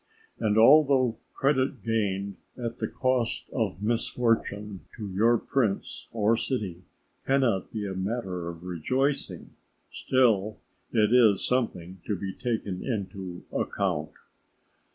And although credit gained at the cost of misfortune to your prince or city cannot be matter of rejoicing, still it is something to be taken into account.